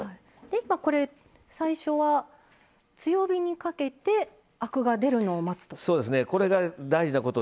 今、最初は強火にかけてアクが出るのを待つと。